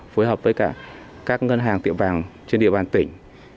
phối hợp với cả các ngân hàng tiệm vàng trên địa bàn tỉnh